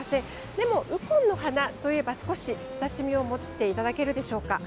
でも、ウコンの花といえば少し親しみを持っていただけるでしょうか。